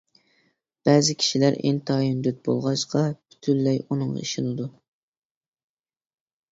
بەزى كىشىلەر ئىنتايىن دۆت بولغاچقا پۈتۈنلەي ئۇنىڭغا ئىشىنىدۇ.